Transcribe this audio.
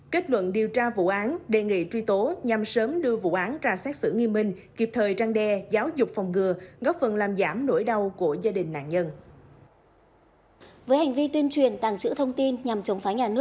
kết luận điều tra vụ án đề nghị truy tố nhằm sớm đưa vụ án ra xét xử nghiêm minh kịp thời trang đe giáo dục phòng ngừa góp phần làm giảm nỗi đau của gia đình nạn nhân